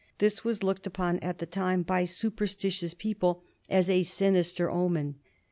This was looked upon at the time by superstitious people as a sinister omen.